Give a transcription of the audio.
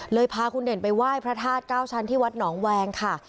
เลยพาคุณเด่นไปไหว้พระทาส๙ชั้นที่วัดหนองแวงค่ะ